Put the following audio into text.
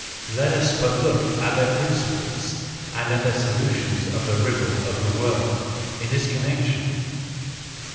let us but look at their principles, and at their solutions of the riddle of the world in this connection